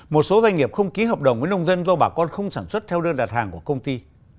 một số doanh nghiệp không ký hợp đồng với nông dân do bà con không sản xuất theo đơn đặt hàng của công ty